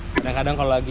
kadang kadang kalau lagi